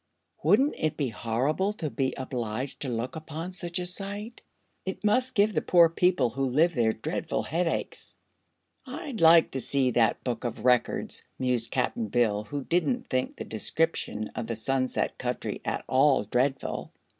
Wouldn't it be horrible to be obliged to look upon such a sight? It must give the poor people who live there dreadful headaches." "I'd like to see that Book of Records," mused Cap'n Bill, who didn't think the discription of the Sunset Country at all dreadful.